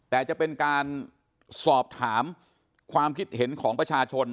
แต่จะเป็นการสอบถามความคิดเห็นของประชาชน